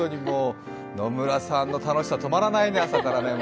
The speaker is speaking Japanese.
野村さんの楽しさたまらないね、朝から。